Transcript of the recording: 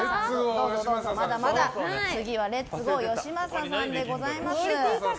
次はレッツゴーよしまささんでございます。